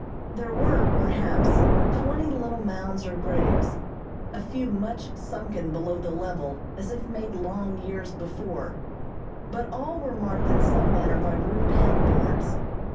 There were, perhaps, twenty little mounds or graves, a few much sunken below the level as if made long years before, but all were marked in some manner by rude head boards.